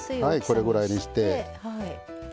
これぐらいにして。